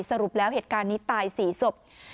สรุปแล้วเหตุการณ์นี้ตาย๔ศพ